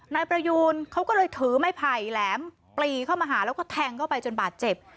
นายประยูนเขาก็เลยถือไม้ไผ่แหลมปลีเข้ามาหาแล้วก็แทงเข้าไปจนบาดเจ็บ